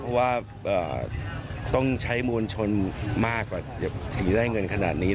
เพราะว่าต้องใช้มวลชนมากกว่าศรีได้เงินขนาดนี้